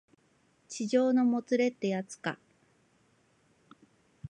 痴情のもつれってやつか